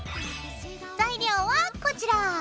材料はこちら！